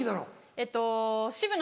えっと。